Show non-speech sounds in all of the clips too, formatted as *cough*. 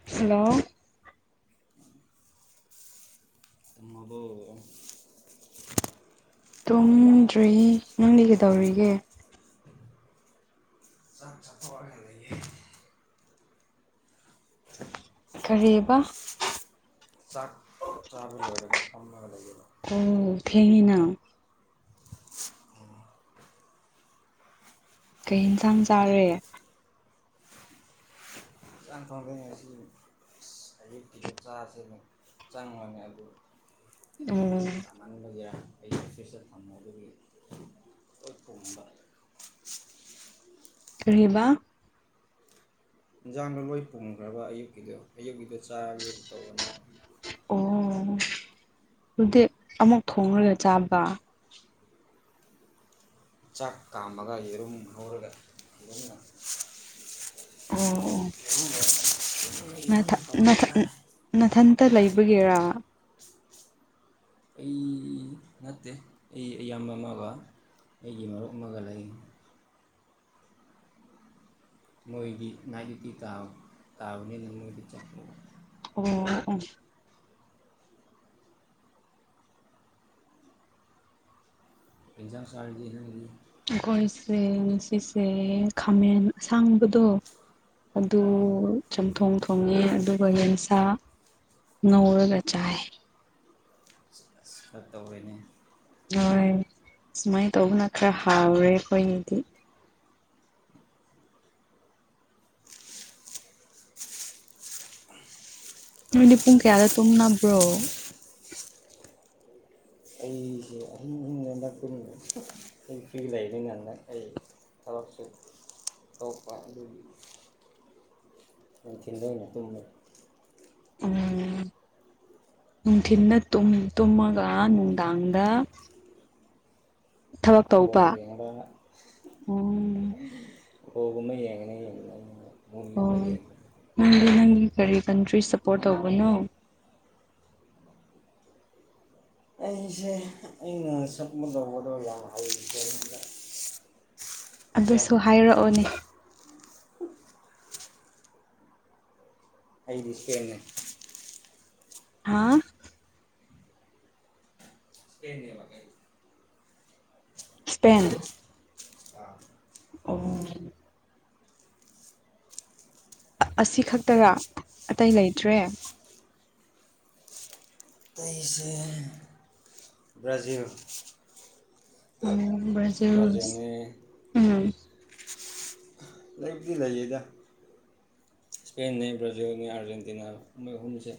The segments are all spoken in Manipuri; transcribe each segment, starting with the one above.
ꯍꯜꯂꯣ ꯍꯂꯣ ꯃꯗꯨ ꯇꯨꯝꯗ꯭ꯔꯤ ꯅꯪꯗꯤ ꯀꯩꯗꯧꯔꯤꯒꯦ ꯆꯠ ꯆꯄ ꯍꯥꯏ ꯂꯩ ꯀꯔꯤꯕ ꯆꯥꯛ ꯆꯥꯕ ꯂꯣꯏꯔꯒ ꯐꯝꯃꯒ ꯂꯩꯕ ꯊꯦꯡꯅꯥ ꯀꯩ ꯌꯦꯟꯁꯥꯡ ꯆꯥꯔꯦ ꯍꯛꯆꯥꯡ ꯊꯣꯡꯗꯅꯤ ꯉꯁꯤ ꯑ ꯑꯌꯨꯛꯀꯤꯗꯣ ꯆꯥꯁꯦꯅ ꯆꯪꯉꯅꯤ ꯑꯗꯨ ꯎꯝ ꯆꯥꯃꯟꯕꯒꯤꯔ ꯑꯩ ꯐꯦꯁꯔ ꯐꯝꯅꯕ ꯑꯗꯨꯒꯤ ꯑꯩꯄꯣꯕ ꯀꯕ ꯏꯟꯖꯥꯡꯗꯣ ꯂꯣꯏ ꯄꯨꯈ꯭ꯔꯕ ꯑꯌꯨꯛꯀꯤꯗꯣ ꯑꯌꯨꯛꯀꯤꯗꯣ ꯆꯥꯔꯒꯦ ꯇꯧꯕꯅꯦꯕ ꯑꯣ ꯑꯗꯨꯗꯤꯛ ꯑꯃꯨꯛ ꯊꯣꯡꯂꯒ ꯆꯥꯕ ꯆꯥꯛ ꯀꯥꯝꯃꯒ ꯌꯦꯔꯨꯝ ꯍꯧꯔꯒ ꯑꯗꯨꯅ ꯑꯣ ꯌꯦꯔꯨꯝ ꯑꯣꯊ ꯇꯧꯔꯒ ꯆꯥꯏ ꯃꯊꯟꯇ ꯂꯩꯕ ꯂꯕꯒꯦꯔ ꯑꯩ ꯅꯠꯇꯦ ꯑꯩ ꯏꯌꯥꯝꯕ ꯑꯃꯒ ꯑꯩꯒꯤ ꯃꯔꯨꯞ ꯑꯃꯒ ꯂꯩ ꯃꯣꯏꯒꯤ ꯃꯥꯒꯤꯤ ꯇꯥꯎ ꯇꯥꯥꯎꯅꯤ ꯃꯣꯏ ꯆꯄ ꯑꯣ ꯑꯣ ꯑꯦꯛꯖꯥꯝꯁꯥꯔꯗꯤ ꯍꯥꯏꯗꯤ ꯑꯩꯈꯣꯏꯁꯦ ꯉꯁꯤꯁꯦ ꯈꯥꯃꯦꯟ ꯑꯁꯥꯡꯕꯗꯣ ꯄꯥꯎ ꯑꯗꯨꯗ ꯆꯝꯄ ꯎ ꯊꯣꯡꯉꯤ ꯑꯗꯨꯒ ꯌꯦꯟꯁꯥ ꯉꯧꯔꯒ ꯆꯥꯏ ꯁꯤꯗ ꯇꯧꯔꯤꯅꯤ ꯍꯣꯏ ꯁꯨꯃꯥꯏ ꯇꯧꯕꯅ ꯈꯔ ꯍꯥꯎꯔꯦ ꯑꯩꯈꯣꯏꯒꯤꯗꯤ ꯃꯤꯗꯤ ꯄꯨꯡ ꯀꯦꯌꯥꯂꯦ ꯇꯅꯕ꯭ꯔꯣ ꯑꯩꯁꯦ ꯑꯍꯤꯡ ꯑꯍꯨꯝ ꯂꯗꯛ ꯀꯨꯟꯗ ꯑꯩ ꯐ꯭ꯔꯤ ꯂꯩꯅꯤ ꯉꯗ ꯑꯩ ꯊꯔꯛꯁꯨ ꯇꯣꯛꯄ ꯑꯗꯨ ꯊꯤꯟꯗꯧꯅ ꯀꯨꯝꯝ ꯎꯝ ꯅꯨꯡꯊꯤꯟꯗ ꯇꯨꯝ ꯇꯨꯝꯃꯒ ꯅꯨꯡꯗꯥꯡꯗ ꯊꯕꯛ ꯕꯣ ꯇꯧꯕ ꯌꯦꯡꯕ ꯎꯝ ꯍꯕꯃꯦ ꯌꯦꯡꯉ ꯌꯦꯉ ꯑꯣ ꯅꯪ ꯅꯪ ꯀꯔꯤ ꯀꯟꯇ꯭ꯔꯤ ꯁꯞꯄꯣꯔꯠ ꯇꯧꯕꯅꯣ ꯑꯩꯁꯦ ꯑꯩꯅ ꯁꯛꯄ ꯇꯧꯕꯗꯣ ꯌꯥꯝ ꯍꯩ ꯑꯗꯨꯁꯨ ꯍꯥꯏꯔꯛꯑꯣꯅꯦ ꯑꯩꯗꯤ ꯁꯦꯡꯅ ꯍꯥꯥ ꯀꯅꯦꯒ ꯏꯁꯄꯦꯟ ꯑꯥ ꯑꯁꯤ ꯈꯛꯇꯔꯥ ꯑꯇꯩ ꯂꯩꯇ꯭ꯔꯦ ꯇꯩꯁ ꯕ꯭ꯔꯥꯖꯤꯜ ꯎꯝ ꯕ꯭ꯔꯖꯤꯜꯁ ꯕ꯭ꯔꯥꯖꯤꯜꯅꯦ ꯎꯝ ꯂꯩꯕꯗꯤ ꯂꯩꯌꯦꯗ ꯏꯁꯄꯦꯟꯅꯤ ꯔꯥꯖꯤꯜꯅꯤ ꯑꯔꯖꯦꯟꯇꯤꯅꯥ ꯃꯍꯨꯁ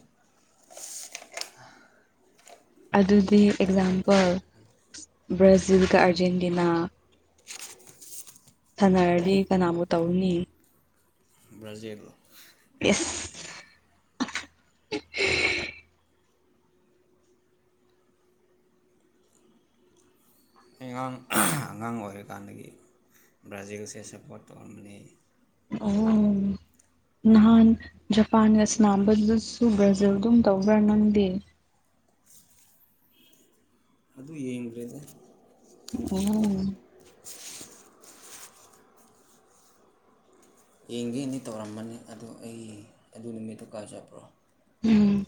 ꯑꯗꯨꯗꯤ ꯀꯃꯥꯏꯅ ꯑꯦꯛꯖꯥꯝꯄꯜ ꯇꯧꯔꯤꯅꯣ ꯕ꯭ꯔꯥꯖꯤꯜꯒ ꯑꯥꯔꯖꯦꯟꯇꯤꯅꯥ ꯁꯅꯔꯗꯤ ꯀꯅꯥꯕꯨ ꯇꯧꯅꯤ ꯕ꯭ꯔꯥꯖꯤꯜ ꯑꯦꯁ *inaudible* ꯑꯉꯥꯡ ꯑꯉꯥꯡ ꯑꯣꯏꯔꯤꯀꯥꯟꯗꯒꯤ ꯕ꯭ꯔꯥꯖꯤꯜꯁꯦ ꯁꯞꯄꯣꯔꯠ ꯇꯧꯔꯝꯕꯅꯤ ꯑꯣ *inaudible* ꯅꯍꯥꯟ ꯖꯄꯥꯟꯒꯁꯅꯥꯝꯕꯗꯨꯗꯁꯨ ꯕ꯭ꯔꯥꯖꯤꯜꯗꯨꯝ ꯇꯧꯕ꯭ꯔꯥ ꯅꯪꯗꯤ ꯑꯗꯨ ꯌꯦꯡꯗ꯭ꯔꯦꯗ ꯎꯝ ꯌꯦꯡꯒꯦꯅꯤ ꯇꯧꯔꯝꯕꯅꯤ ꯑꯗꯨ ꯑꯩ ꯑꯗꯨ ꯅꯨꯃꯤꯠꯇꯨ ꯀꯥꯏ ꯆꯠꯄ꯭ꯔꯣ ꯎꯝ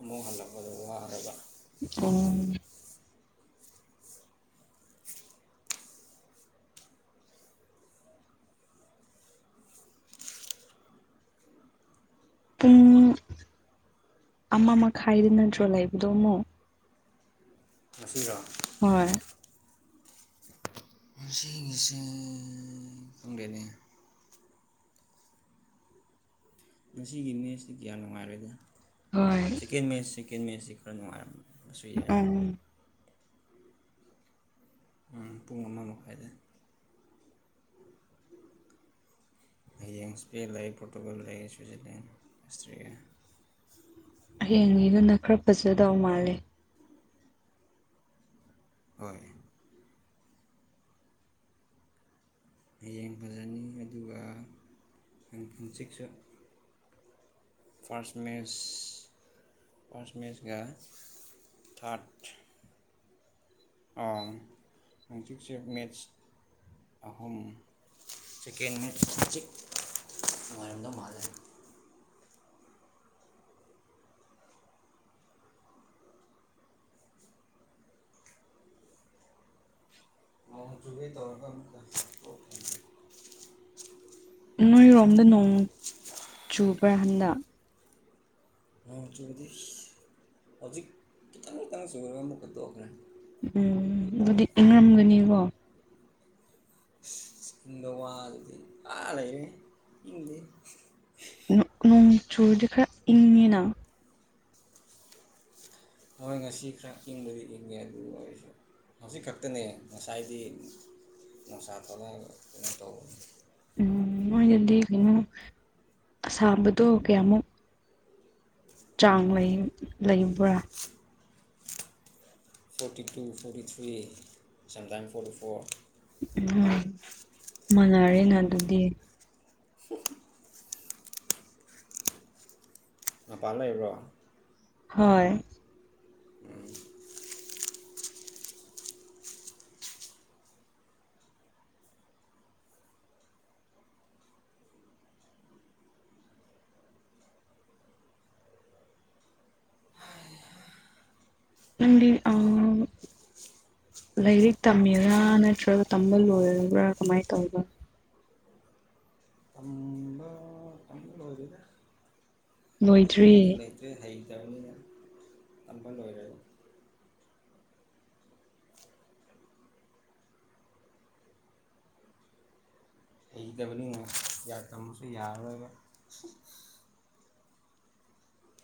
ꯑꯃꯨꯛ ꯍꯜꯂꯛꯄꯗ ꯋꯥꯔꯕ ꯎꯝ ꯄꯨꯡ ꯑꯃ ꯃꯈꯥꯏꯗꯅ ꯅꯇ꯭ꯔꯣ ꯂꯩꯕꯗꯣ ꯑꯃꯨꯛ ꯉꯁꯤꯔꯣ ꯍꯣꯏ ꯉꯁꯤ ꯉꯁꯤ ꯈꯪꯗꯦꯅꯦ ꯉꯁꯤꯒꯤ ꯃꯦꯠꯇꯤ ꯀꯌꯥ ꯅꯨꯡꯉꯥꯏꯔꯣꯢꯗꯥ ꯍꯣꯏ ꯁꯦꯀꯦꯟ ꯃꯦꯠꯁ ꯁꯦꯀꯦꯟ ꯃꯦꯠꯆꯁꯤ ꯈꯔ ꯅꯨꯡꯉꯥꯏꯔꯝ ꯎꯝ ꯎꯝ ꯄꯨꯡ ꯑꯃꯥ ꯃꯈꯥꯢꯗꯩ ꯍꯌꯦꯡ ꯏꯁꯄꯦꯟ ꯂꯩ ꯄꯣꯔꯇꯨꯒꯜ ꯂꯩ ꯍꯌꯦꯡꯒꯤꯗꯨꯅ ꯈꯔ ꯐꯖꯗꯧ ꯃꯥꯂꯦ ꯍꯣꯏ ꯍꯌꯦꯡ ꯐꯖꯅꯤ ꯑꯗꯨꯒ *unintelligible* ꯐꯥ꯭ꯔꯟꯁ ꯃꯦꯁ ꯐꯥ꯭ꯔꯟꯁ ꯃꯦꯁꯒ ꯊꯥ꯭ꯔꯠ ꯑꯥ ꯍꯪꯆꯤꯠꯁꯦ ꯃꯦꯠꯁ ꯑꯍꯨꯝ ꯁꯦꯀꯦꯟ ꯃꯦꯠꯁ ꯅꯨꯡꯉꯥꯢꯔꯝꯗꯧ ꯃꯥꯜꯂꯦ ꯅꯣꯡ ꯆꯨꯒꯦ ꯇꯧꯔꯒ ꯑꯃꯨꯛꯀ *unintelligible* ꯅꯣꯏꯔꯣꯝꯗ ꯅꯣꯡ ꯆꯨꯕ꯭ꯔꯥ ꯍꯟꯗꯛ ꯅꯣꯡ ꯆꯨꯗꯦ ꯍꯧꯖꯤꯛ ꯈꯤꯇꯪ ꯈꯤꯇꯪ ꯆꯨꯔꯒ ꯑꯃꯨꯛꯀ ꯇꯣꯛꯈ꯭ꯔꯦ ꯎꯝ ꯑꯗꯨꯗꯤ ꯏꯪꯔꯝꯒꯅꯤꯀꯣ ꯁꯤꯗ ꯋꯥ ꯂꯩꯔꯦ ꯑꯥ ꯂꯩꯔꯦ ꯢꯪꯗꯦ ꯅꯣꯡ ꯆꯨꯔꯗꯤ ꯈꯔ ꯏꯪꯉꯤꯅ ꯍꯣꯏ ꯉꯁꯤ ꯈꯔ ꯏꯪꯕꯗꯤ ꯏꯪꯉꯦ ꯑꯗꯨ ꯑꯣꯏꯔꯁꯨ ꯍꯧꯖꯤꯛ ꯈꯛꯇꯅꯦ ꯉꯁꯥꯏꯗꯤ ꯅꯨꯡꯁꯥ ꯊꯣꯛꯂꯛꯒ ꯀꯩꯅꯣ ꯇꯧꯕꯅꯤ ꯎꯝ ꯅꯣꯏꯗꯗꯤ ꯀꯩꯅꯣ ꯁꯥꯕꯗꯣ ꯀꯌꯥꯃꯨꯛ ꯆꯥꯡ ꯂꯩ ꯂꯩꯕ꯭ꯔꯥ forty two forty three sometime forty four um ꯃꯅꯔꯦꯅ ꯑꯗꯨꯗꯤ ꯃꯄꯥꯟ ꯂꯩꯕ꯭ꯔꯣ ꯍꯣꯏ ꯅꯪꯗꯤ ꯑꯥ ꯂꯥꯏꯔꯤꯛ ꯇꯝꯃꯤꯔꯥ ꯅꯠꯇ꯭ꯔꯒ ꯇꯝꯕ ꯂꯣꯏꯔꯕ꯭ꯔꯥ ꯀꯃꯥꯏꯅ ꯇꯧꯕ ꯇꯝꯕ ꯇꯝꯕ ꯂꯣꯏꯔꯦꯗ ꯂꯣꯏꯗ꯭ꯔꯤ ꯇꯝꯅꯤꯡꯉꯥꯏꯁꯨ ꯂꯩꯇ꯭ꯔꯦ ꯍꯩꯇꯕꯅꯤꯅ ꯇꯝꯕ ꯂꯣꯏꯔꯦ ꯍꯩꯇꯕꯅꯤꯅ ꯀꯥꯌꯥ ꯇꯝꯃꯁꯨ ꯌꯥꯔꯔꯣꯏꯕ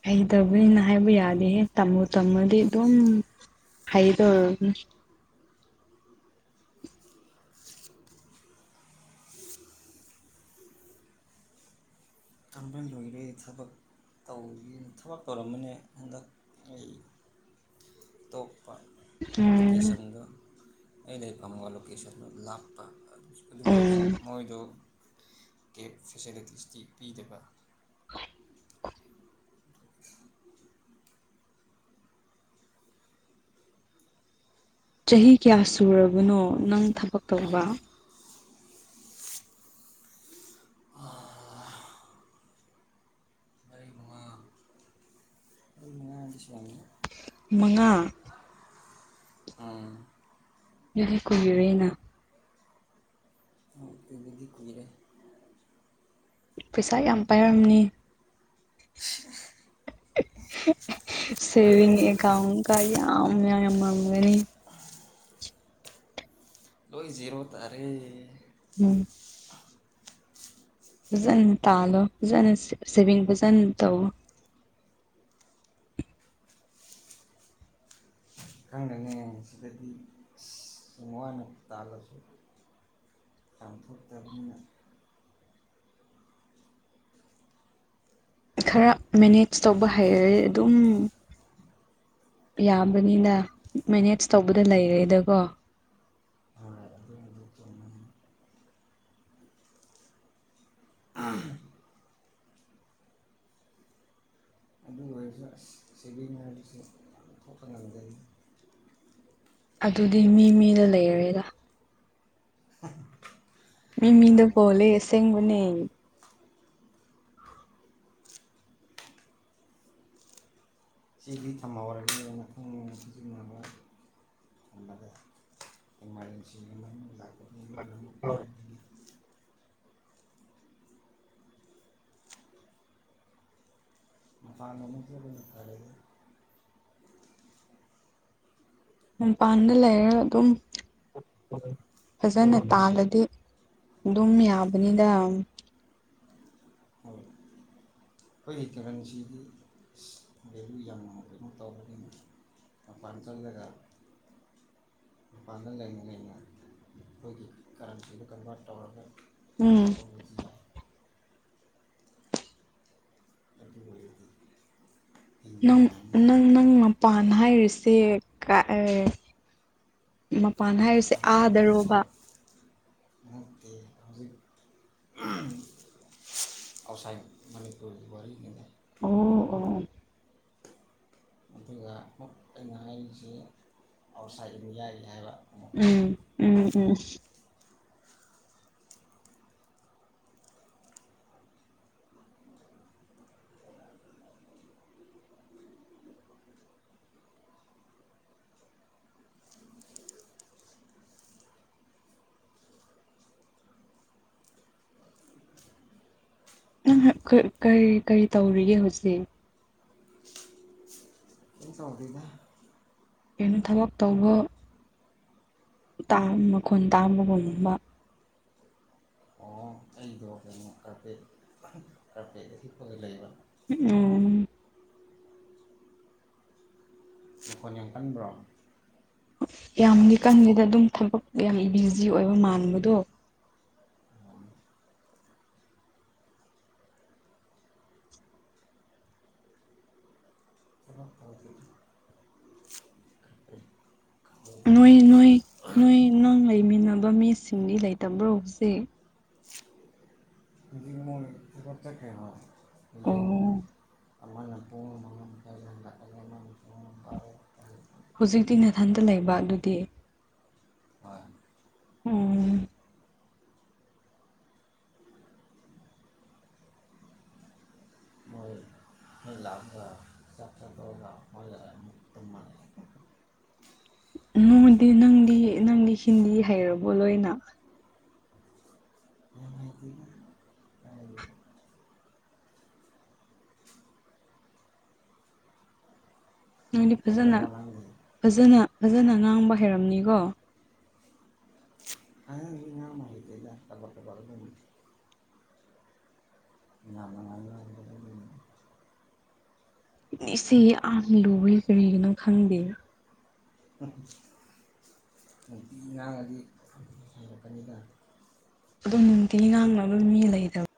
ꯍꯩꯇꯕꯅꯤꯅ ꯍꯥꯏꯕ ꯌꯥꯗꯦꯍꯦ ꯇꯝꯕꯨ ꯇꯝꯃꯗꯤ ꯑꯗꯨꯝ ꯍꯩꯗꯣꯔꯝꯅꯤ ꯑꯩ ꯊꯕꯛ ꯇꯧꯒꯦꯅ ꯊꯕꯛ ꯇꯧꯔꯝꯕꯅꯦ ꯍꯟꯗꯛ ꯑꯩ ꯇꯣꯛꯄ ꯎꯝ ꯂꯣꯀꯦꯁꯟꯗꯨ ꯑꯩ ꯂꯩꯐꯝꯒ ꯂꯣꯀꯦꯁꯟꯗꯨ ꯂꯥꯞꯄ ꯑꯗꯨ ꯑꯣꯏꯔꯁꯨ ꯎꯝ ꯃꯣꯏꯗꯣ ꯀꯦꯞ ꯐꯦꯁꯤꯂꯤꯇꯤꯁꯇꯤ ꯄꯤꯗꯕ ꯆꯍꯤ ꯀꯌꯥ ꯁꯨꯔꯕꯅꯣ ꯅꯪ ꯊꯕꯛ ꯇꯧꯕ ꯃꯔꯤ ꯃꯉꯥ ꯃꯔꯤ ꯃꯉꯥꯗꯤ ꯁꯨꯔꯝꯅꯤ ꯃꯉꯥ ꯎꯝ ꯑꯗꯨꯗꯤ ꯀꯨꯏꯌꯦꯅ ꯑꯗꯨꯗꯤ ꯀꯨꯏꯔꯦ ꯄꯩꯁꯥ ꯌꯥꯝ ꯄꯥꯏꯔꯝꯅꯤ *inaudible* ꯁꯦꯚꯤꯡ ꯑꯦꯀꯥꯎꯟꯀ ꯌꯥꯝ ꯌꯥꯝ ꯌꯥꯝꯃꯒꯅꯤ ꯂꯣꯏ ꯖꯤꯔꯣ ꯇꯥꯔꯦ ꯎꯝ ꯐꯖꯅ ꯇꯥꯜꯂꯣ ꯐꯖꯅ ꯁꯤꯚꯤꯡ ꯐꯖꯅ ꯇꯧꯋꯣ ꯈꯪꯗꯦꯅꯦ ꯁꯤꯗꯗꯤ ꯁꯨꯝ ꯋꯥꯅ ꯇꯥꯜꯂꯁꯨ ꯄꯥꯡꯊꯣꯛ ꯇꯥꯕꯤꯟꯅ ꯈꯔ ꯃꯦꯅꯦꯖ ꯇꯧꯕ ꯍꯩꯔꯦ ꯑꯗꯨꯝ ꯌꯥꯝꯕꯅꯤꯅ ꯃꯦꯅꯦꯖ ꯇꯧꯕꯗ ꯂꯩꯔꯦꯗꯀꯣ ꯍꯣꯏ ꯑꯗꯨꯕꯨꯗꯤ ꯆꯨꯝꯕ ꯁꯦꯕꯤꯡ ꯍꯥꯏꯕꯁꯦ ꯌꯥꯝ ꯊꯣꯛꯄ ꯉꯝꯗꯦ ꯑꯗꯨꯗꯤ ꯃꯤ ꯃꯤꯗ ꯂꯩꯔꯦꯗ ꯑ *unintelligible* ꯃꯤ ꯃꯤꯗ ꯄꯣꯂꯦꯁꯦꯡꯕꯅꯦ ꯁꯤ ꯗꯤ ꯊꯝꯍꯧꯔꯒꯦꯅ *unintelligible* *unintelligible* ꯊꯝꯃꯒꯦ ꯏꯃꯥꯔꯖꯦꯟꯁꯤ ꯑꯃ ꯑꯅꯤ ꯂꯛꯄ *unintelligible* ꯃꯄꯥꯟꯗ ꯑꯃꯨꯛ ꯆꯠꯄꯅ ꯐꯔꯦ ꯃꯄꯥꯟꯗ ꯂꯩꯔ ꯑꯗꯨꯝ ꯐꯖꯅ ꯇꯥꯜꯂꯗꯤ ꯑꯗꯨꯝ ꯌꯥꯕꯅꯤꯅ ꯍꯣꯏ ꯑꯩꯈꯣꯏꯒꯤ ꯀꯔꯦꯟꯁꯤꯗꯤ ꯚꯦꯂꯨ ꯌꯥꯝꯅ ꯀꯩꯅꯣ ꯇꯧꯔꯅꯤꯅ ꯃꯄꯥꯟ ꯆꯠꯂꯒ ꯃꯄꯥꯟꯗ ꯂꯩꯅ ꯂꯩꯅ ꯑꯩꯈꯣꯏꯒꯤ ꯀꯔꯦꯟꯁꯤꯗꯨ ꯀꯟꯚꯥꯔꯠ ꯇꯧꯔꯒ ꯎꯝ ꯇꯧꯔꯕꯨꯗꯤ ꯌꯥꯏ ꯑꯗꯨ ꯑꯣꯏꯔꯗꯤ ꯍꯤꯡꯕ ꯅꯪ ꯌꯥꯔꯅꯤ ꯅꯪ ꯅꯪ ꯃꯄꯥꯟ ꯅꯥꯏ ꯔꯤꯁꯤ ꯀ ꯃꯄꯥꯟ ꯍꯥꯏꯔꯤꯁꯦ ꯑꯥꯗꯔꯣꯕ *unintelligible* ꯑꯥꯎꯁꯥꯏ ꯃꯅꯤꯄꯨꯔꯒꯤ ꯋꯥꯔꯤꯔꯤ ꯑꯣ ꯑꯣ ꯑꯗꯨꯒ ꯑꯃꯨ ꯑꯩꯅ ꯍꯥꯏꯔꯤꯁꯤ ꯑꯥꯎꯠꯁꯥꯏꯠ ꯏꯟꯗꯤꯌꯥꯒꯤ ꯍꯥꯏꯕ ꯑꯃꯨꯛꯀ ꯎꯝ ꯎꯝ ꯎꯝ ꯅꯪ ꯀꯔꯤ ꯀꯔꯤ ꯇꯧꯔꯤꯒꯦ ꯍꯧꯖꯤꯛ ꯆꯧꯗꯅ ꯀꯩꯅꯣ ꯊꯕꯛ ꯇꯧꯕ ꯃꯈꯣꯟ ꯇꯥꯕꯒꯨꯝꯒꯨꯝꯕ ꯀꯔꯄꯦꯠ ꯀꯄꯦꯠ ꯐ ꯂ ꯂꯩꯕ ꯎꯝ ꯑꯩꯈꯣꯏ ꯌꯥꯝ ꯀꯟꯕ꯭ꯔꯣ ꯌꯥꯝꯅꯤ ꯀꯟꯉꯦꯗ ꯑꯗꯨꯝ ꯊꯕꯛ ꯌꯥꯝ ꯕꯤꯖꯤ ꯑꯣꯏꯕ ꯃꯥꯟꯕꯗꯣ ꯊꯕꯛ ꯇꯧꯗꯦꯗ ꯀꯥꯔꯄꯦꯠꯇ ꯅꯣꯏ ꯍꯤꯞꯄꯒ ꯅꯣꯏ ꯅꯣꯏ ꯅꯪ ꯂꯩꯃꯤꯟꯅꯕ ꯃꯤꯁꯤꯡꯗꯤ ꯂꯩꯇꯕ꯭ꯔꯣ ꯍꯧꯖꯤꯛ ꯃꯣꯏꯇ ꯀ ꯌꯦ ꯑꯣ ꯑꯥꯟꯅ ꯄꯨꯡ ꯃꯉꯗꯔ ꯍꯧꯖꯤꯛꯇꯤ ꯅꯥꯊꯟꯇ ꯂꯩꯕ ꯑꯗꯨꯗꯤ ꯍꯣꯏ ꯎꯝ ꯂꯥꯛ ꯆ ꯆꯗ ꯇ ꯃꯅ ꯅꯗꯤ ꯅꯪꯗꯤ ꯅꯪꯗꯤ ꯍꯤꯟꯗꯤ ꯍꯩꯔꯕꯣ ꯂꯣꯏꯅ ꯅꯨꯡꯉꯥꯏꯇꯦꯗ ꯀꯥꯏꯗꯒꯤ ꯅꯣꯏꯗꯤ ꯐꯖꯅ ꯍꯩꯔꯕꯣ ꯅꯪꯗꯤ ꯐꯖꯅ ꯐꯖꯅ ꯉꯥꯡꯕ ꯍꯩꯔꯝꯅꯤꯀꯣ ꯑ ꯉ ꯑꯃ ꯍꯇ ꯇ ꯇꯒ ꯌꯥꯝꯅꯉꯥꯏ ꯏꯆꯦ ꯌꯥꯝ ꯂꯨꯦ ꯀꯔꯤꯒꯤꯅꯣ ꯈꯪꯗꯦ ꯎꯝ ꯉꯉꯥꯡꯒꯤꯄꯅꯤꯅ ꯑꯗꯨꯝ ꯅꯨꯡꯇꯤꯒꯤ ꯉꯥꯡꯅꯕ ꯃꯤ ꯂꯩꯇꯕ